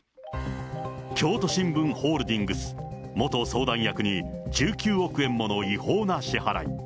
京都新聞ホールディングス元相談役に１９億円もの違法な支払い。